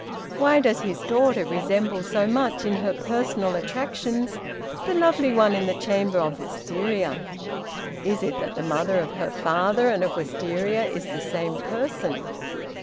Why does his daughter resemble so much, in her personal attractions, the lovely one in the chamber of Wistaria. Is it that the mother of her father and of Wistaria is the same person?